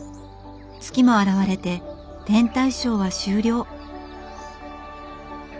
月も現れて天体ショーは終了。